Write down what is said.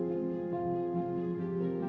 saudara itu berpikir